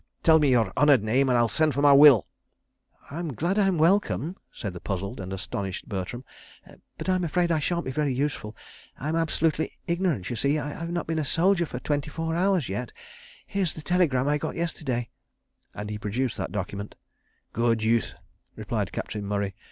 Tell me your honoured name and I'll send for my will. ..." "I'm glad I'm welcome," said the puzzled and astonished Bertram; "but I'm afraid I shan't be very useful. I am absolutely ignorant—you see, I've not been a soldier for twenty four hours yet. ... Here's the telegram I got yesterday," and he produced that document. "Good youth," replied Captain Murray.